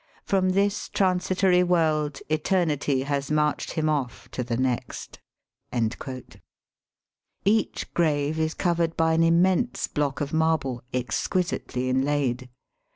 From this transi tory world eternity has marched him off to the next." Each grave is covered by an immense block of marble exquisitely inlaid.